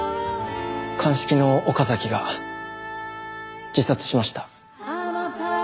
鑑識の岡崎が自殺しました。